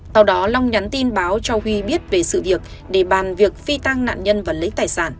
tại đó long nhắn tin báo cho huy biết về sự việc để bàn việc phi tăng nạn nhân vật